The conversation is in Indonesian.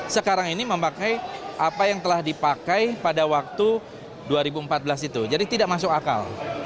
sekarang ini memakai apa yang telah dipakai pada waktu dua ribu empat belas itu jadi tidak masuk akal